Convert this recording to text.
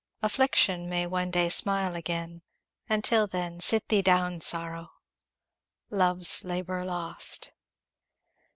Affliction may one day smile again, and till then, Sit thee down, sorrow! Love's Labour Lost.